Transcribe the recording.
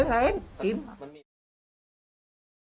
สวดธิ์สินะค่ะ